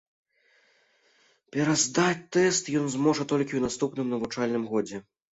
Пераздаць тэст ён зможа толькі ў наступным навучальным годзе.